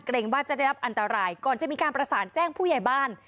ว่าจะได้รับอันตรายก่อนจะมีการประสานแจ้งผู้ใหญ่บ้าน